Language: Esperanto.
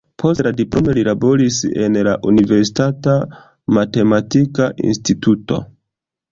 Post la diplomo li laboris en la universitata matematika instituto.